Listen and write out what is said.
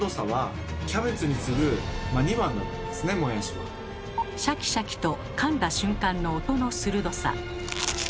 まずシャキシャキとかんだ瞬間の音の鋭さ。